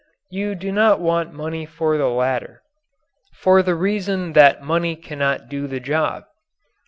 You do not want money for the latter for the reason that money cannot do the job.